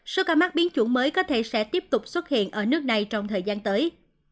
số ca mắc biến chủng mới có thể sẽ tiếp tục xuất hiện ở nước này trong thời gian tới